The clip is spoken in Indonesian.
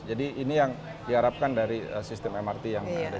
jadi ini yang diharapkan dari sistem mrt yang ada di jakarta